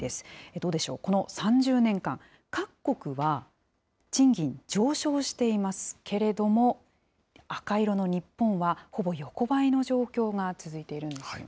どうでしょう、この３０年間、各国は賃金上昇していますけれども、赤色の日本は、ほぼ横ばいの状況が続いているんですよね。